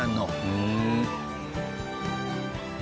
ふん。